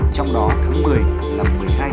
trong đó tháng một mươi là bắt đầu